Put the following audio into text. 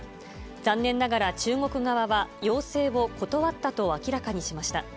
残念ながら中国側は要請を断ったと明らかにしました。